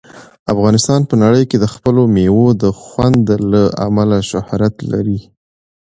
افغانستان په نړۍ کې د خپلو مېوو د خوند له امله شهرت لري.